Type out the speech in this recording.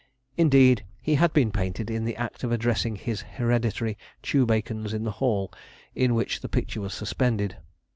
Indeed, he had been painted in the act of addressing his hereditary chawbacons in the hall in which the picture was suspended.